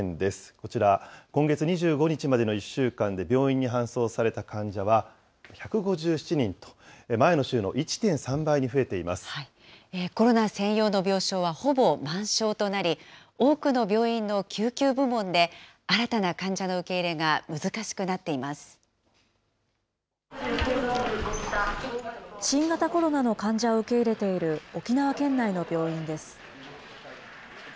こちら、今月２５日までの１週間で病院に搬送された患者は１５７人と、前の週の１．３倍に増えてコロナ専用の病床はほぼ満床となり、多くの病院の救急部門で、新たな患者の受け入れが難しくな新型コロナの患者を受け入れている沖縄県内の病院です。